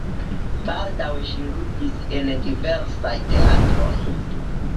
Baldaŭe ŝi ludis en diversaj teatroj.